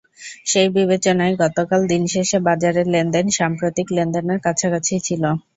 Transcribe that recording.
সেই বিবেচনায় গতকাল দিন শেষে বাজারের লেনদেন সাম্প্রতিক লেনদেনের কাছাকাছিই ছিল।